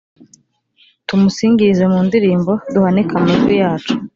Tumusingirize mu ndirimbo, Duhanike amajwi yacu,